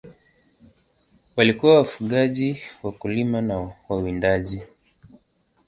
Walikuwa wafugaji, wakulima na wawindaji.